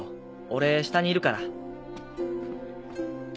俺下にいるから。